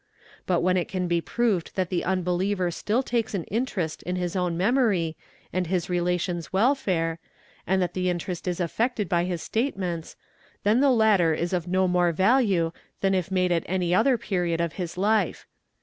But when it can be proved that the unbeliever still takes an interest in his "Own memory and his relations' welfare, and that interest is affected by "his statements, then the latter is of no more value than if made at any other period of his life.